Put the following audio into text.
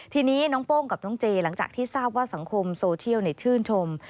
ทีนี้น้องโป้งกับน้องเจหลังจากที่ทราบว่าสังคมโซเชียลชื่นชม